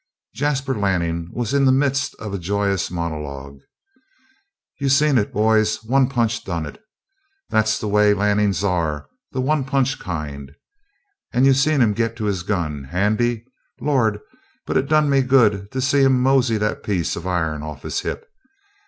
Jasper Lanning was in the midst of a joyous monologue. "You seen it, boys? One punch done it. That's what the Lannings are the one punch kind. And you seen him get to his gun? Handy! Lord, but it done me good to see him mosey that piece of iron off'n his hip.